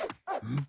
ん？